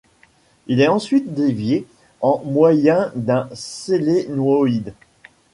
Il est ensuite dévié au moyen d'un solénoïde.